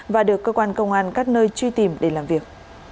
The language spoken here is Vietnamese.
và được cơ quan công an các nơi truy tìm để làm việc